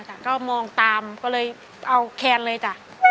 ก็มองตามก็เลยเอาแคนเลยจ้ะ